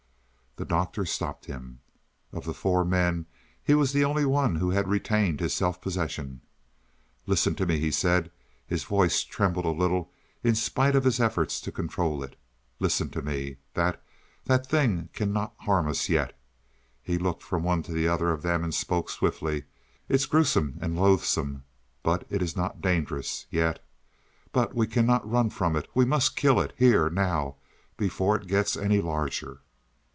The Doctor stopped him. Of the four men, he was the only one who had retained his self possession. "Listen to me," he said. His voice trembled a little in spite of his efforts to control it. "Listen to me. That that thing cannot harm us yet." He looked from one to the other of them and spoke swiftly. "It's gruesome and and loathsome, but it is not dangerous yet. But we cannot run from it. We must kill it here, now, before it gets any larger."